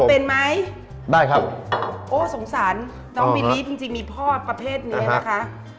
เป็นไหมได้ครับโอ้สงสารน้องบิลลี่จริงจริงมีพ่อประเภทนี้ไหมคะ